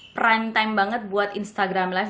prime time banget buat instagram live